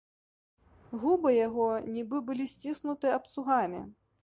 Губы яго нібы былі сціснуты абцугамі.